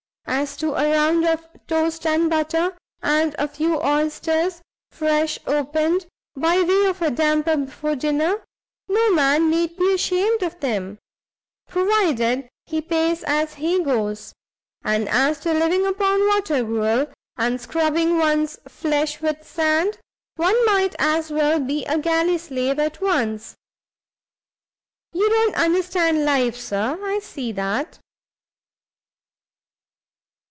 as to a round of toast and butter, and a few oysters, fresh opened, by way of a damper before dinner, no man need be ashamed of them, provided he pays as he goes: and as to living upon water gruel, and scrubbing one's flesh with sand, one might as well be a galley slave at once. You don't understand life, Sir, I see that."